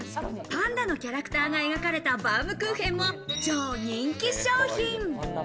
パンダのキャラクターが描かれたバウムクーヘンも超人気商品。